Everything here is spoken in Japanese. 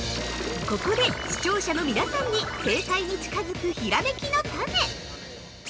◆ここで視聴者の皆さんに正解に近くづくひらめきのタネ。